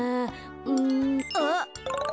うんあっ！